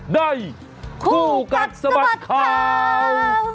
ในคู่กัดสะบัดข่าว